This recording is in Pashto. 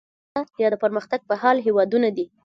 انکشاف یافته یا د پرمختګ په حال هیوادونه دي.